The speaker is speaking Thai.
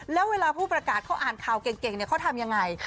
แล้วเวลาผู้ประกาศเขาอ่านข่าวเก่งเขาทำยังไง